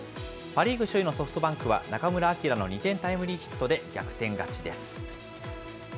パ・リーグ首位のソフトバンクは中村晃の２点タイムリーヒットで逆転勝ちです。